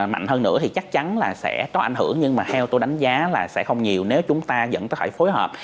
mạnh hơn nữa thì chắc chắn là sẽ có ảnh hưởng nhưng mà theo tôi đánh giá là sẽ không nhiều nếu chúng ta vẫn có thể phối hợp